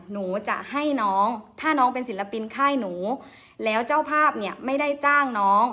หนูจะให้น้องถ้าน้องเป็นศิลปินค่ายหนูแล้วเจ้าภาพเนี่ยไม่ได้จ้างน้อง